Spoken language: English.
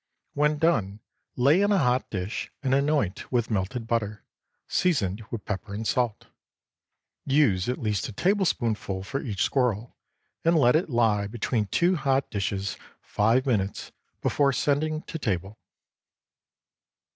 When done, lay in a hot dish and anoint with melted butter, seasoned with pepper and salt. Use at least a tablespoonful for each squirrel, and let it lie between two hot dishes five minutes before sending to table.